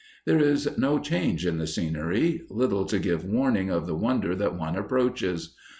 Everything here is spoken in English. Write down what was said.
There is no change in the scenery, little to give warning of the wonder that one approaches.